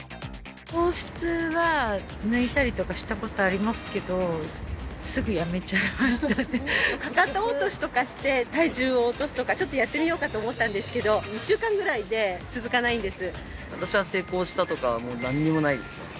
糖質は抜いたりとかしたことありますけどすぐやめちゃいましたねかかと落としとかして体重を落とすとかちょっとやってみようかと思ったんですけど１週間ぐらいで続かないんです